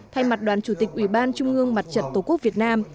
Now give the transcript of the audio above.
thay mặt đoàn chủ tịch ủy ban trung ương mặt trận tổ quốc việt nam